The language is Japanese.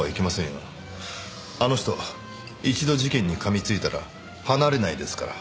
あの人一度事件に噛みついたら離れないですから。